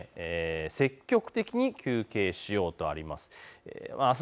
積極的に休憩しようとあります。